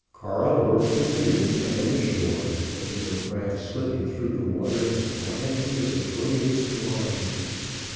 Carl worked the canoe down the shore, the little craft slipping through the water as quietly as a floating swan.